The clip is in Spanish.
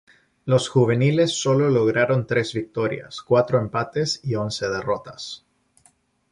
Los juveniles sólo lograron tres victorias, cuatro empates y once derrotas.